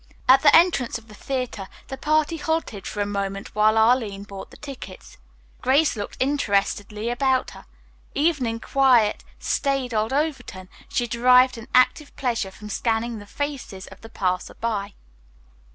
At the entrance of the theatre, the party halted for a moment while Arline bought the tickets. Grace looked interestedly about her. Even in quiet, staid old Overton she derived an active pleasure from scanning the faces of the passersby.